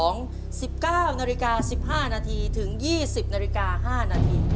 ๑๙น๑๕นถึง๒๐น๕น